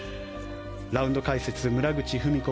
ラウンド解説、村口史子